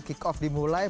kick off dimulai